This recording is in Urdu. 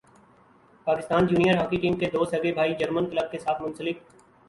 پاکستان جونئیر ہاکی ٹیم کے دو سگے بھائی جرمن کلب کے ساتھ منسلک